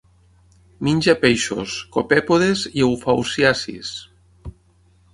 Menja peixos, copèpodes i eufausiacis.